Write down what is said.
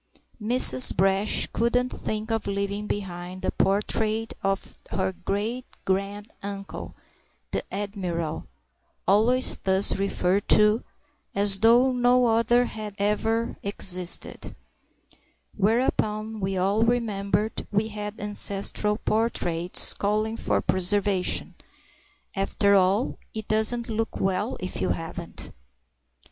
Mrs. Brash couldn't think of leaving behind the portrait of her great grand uncle, the admiral (always thus referred to, as though no other had ever existed), whereupon we all remembered we had ancestral portraits calling for preservation—after all, it doesn't look well if you haven't!